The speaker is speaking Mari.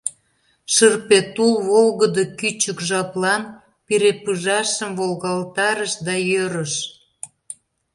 Шырпе тул волгыдо кӱчык жаплан пире пыжашым волгалтарыш да йӧрыш.